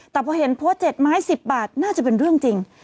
แต่พอเห็นโพสต์๗ไม้๑๐บาทน่าจะเป็นเรื่องจริง